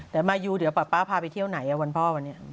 แล้วไม้อยู่เดียวป๊าพายังไปเที่ยวไหนอ่ะวันพ่อวันนี้